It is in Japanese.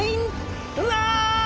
うわ！